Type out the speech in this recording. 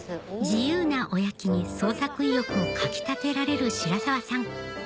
自由なおやきに創作意欲をかき立てられる白澤さん